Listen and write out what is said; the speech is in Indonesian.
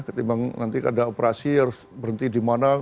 ketimbang nanti ada operasi harus berhenti di mana